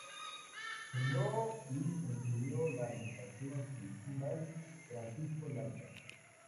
Fundó y presidió la Agrupación Cultural Francisco Lanza.